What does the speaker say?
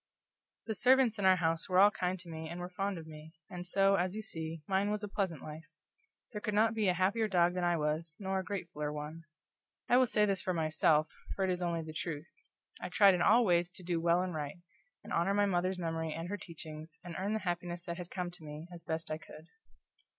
The servants in our house were all kind to me and were fond of me, and so, as you see, mine was a pleasant life. There could not be a happier dog that I was, nor a gratefuller one. I will say this for myself, for it is only the truth: I tried in all ways to do well and right, and honor my mother's memory and her teachings, and earn the happiness that had come to me, as best I could.